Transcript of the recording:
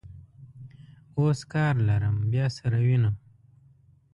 اوس کار لرم، بیا سره وینو.